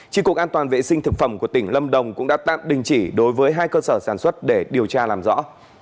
tri cục an toàn vệ sinh thực phẩm của tỉnh lâm đồng cũng đã tạm đình chỉ đối với hai cơ sở sản xuất để điều tra làm rõ